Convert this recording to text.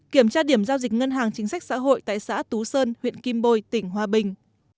kiểm tra điểm giao dịch ngân hàng chính sách xã hội tại xã tú sơn huyện kim bôi tỉnh hòa bình